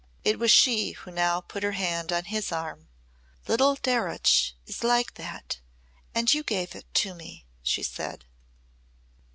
It was she who now put her hand on his arm. "Little Darreuch is like that and you gave it to me," she said.